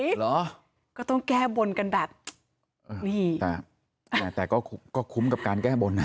เหรอก็ต้องแก้บนกันแบบเออนี่แต่แต่ก็คุ้มกับการแก้บนอ่ะ